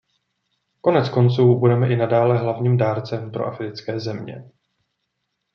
Koneckonců budeme i nadále hlavním dárcem pro africké země.